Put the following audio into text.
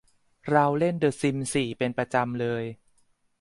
เราเล่นเดอะซิมส์สี่ประจำเลย